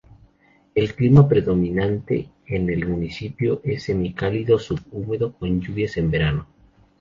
El clima predominante en el municipio es semicálido subhúmedo, con lluvias en verano.